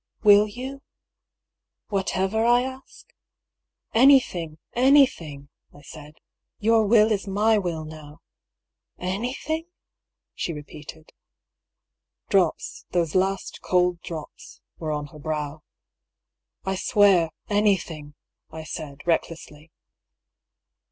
Will you — whatever I ask ?"" Anything ! anything !" I said. " Your will is my will now I " ^'Anything ?" she repeated. Drops, those last cold drops, were on her brow. " I swear — anything," I said, recklessly.